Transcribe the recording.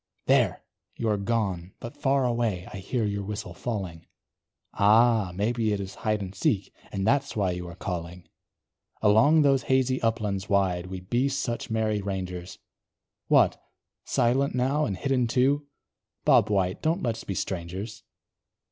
There, you are gone! but far away I hear your whistle falling, Ah! maybe it is hide and seek, And that's why you are calling. Along those hazy uplands wide We'd be such merry rangers; What! silent now and hidden, too? Bob White, don't let's be strangers.